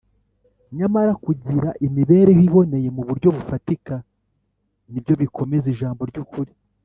nyamara kugira imibereho iboneye mu buryo bufatika ni byo bikomeza ijambo ry’ukuri